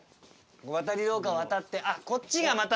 渡り廊下渡ってあっこっちがまた。